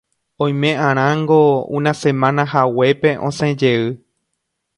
Oimeʼarãngo una semanahaguépe osẽjey.